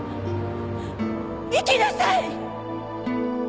行きなさい！